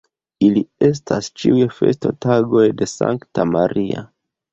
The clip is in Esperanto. Ili estas ĉiuj festotagoj de Sankta Maria.